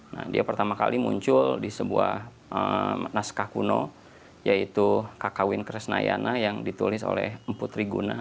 nah dia pertama kali muncul di sebuah naskah kuno yaitu kakawin kresnayana yang ditulis oleh emputri guna